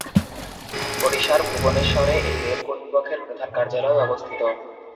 ওড়িশার ভুবনেশ্বরে এই রেল কর্তৃপক্ষের প্রধান কার্যালয় অবস্থিত।